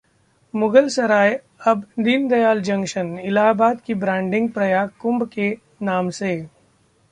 मुगलसराय अब दीनदयाल जंक्शन, इलाहाबाद की ब्रांडिंग प्रयाग कुंभ के नाम से